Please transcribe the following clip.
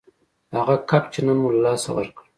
هغه کب چې نن مو له لاسه ورکړ